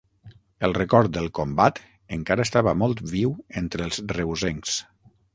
El record del Combat encara estava molt viu entre els reusencs.